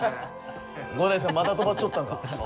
五代さんまた泊まっちょったんか。